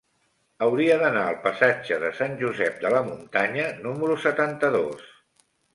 Hauria d'anar al passatge de Sant Josep de la Muntanya número setanta-dos.